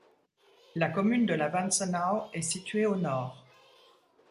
La commune de la Wantzenau est située au nord.